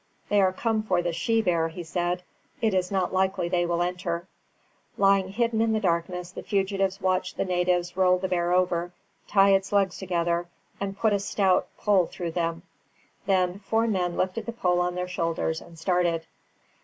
"They are come for the she bear," he said. "It is not likely they will enter." Lying hidden in the darkness the fugitives watched the natives roll the bear over, tie its legs together, and put a stout pole through them. Then four men lifted the pole on their shoulders and started.